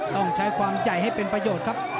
ต้องใช้ความใหญ่ให้เป็นประโยชน์ครับ